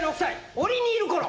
檻にいるころ。